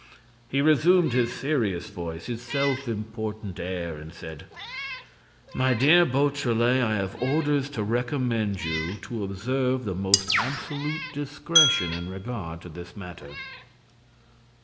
He resumed his serious voice, his self important air and said: "My dear Beautrelet, I have orders to recommend you to observe the most absolute discretion in regard to this matter."